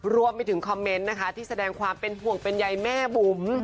รวมไปถึงคอมเมนต์นะคะที่แสดงความเป็นห่วงเป็นใยแม่บุ๋ม